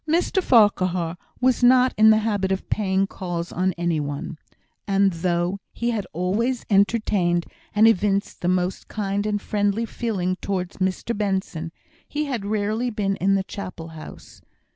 Mr Farquhar was not in the habit of paying calls on any one; and though he had always entertained and evinced the most kind and friendly feeling towards Mr Benson, he had rarely been in the Chapel house.